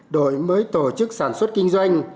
đổi mới tổ chức sản xuất kinh doanh